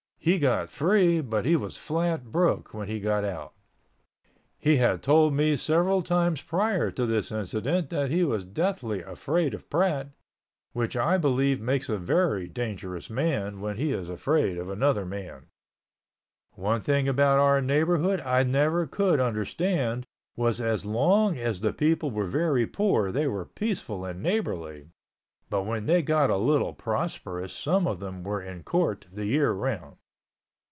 He got free but he was flat broke when he got out. He had told me several times prior to this incident that he was deathly afraid of Pratt, which I believe makes a very dangerous man when he is afraid of another man. One thing about our neighborhood I never could understand was as long as the people were very poor they were peaceable and neighborly but when they got a little prosperous some of them were in court the year around.